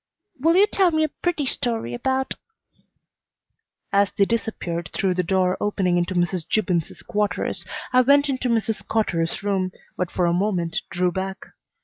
"Will you tell me a pretty story about " As they disappeared through the door opening into Mrs. Gibbons's quarters I went into Mrs. Cotter's room, but for a moment drew back.